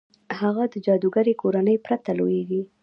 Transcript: هغه د جادوګرې کورنۍ پرته لوېږي.